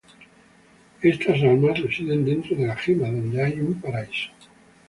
Estas almas, residen dentro de la gema, donde hay un paraíso.